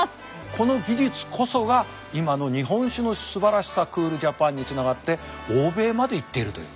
この技術こそが今の日本酒のすばらしさクールジャパンにつながって欧米まで行っているという。